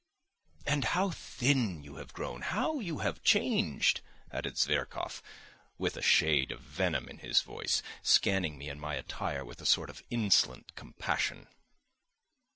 "And how thin you have grown! How you have changed!" added Zverkov, with a shade of venom in his voice, scanning me and my attire with a sort of insolent compassion.